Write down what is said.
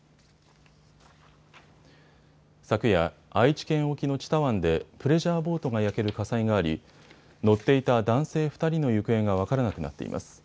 昨夜、愛知県沖の知多湾でプレジャーボートが焼ける火災があり乗っていた男性２人の行方が分からなくなっています。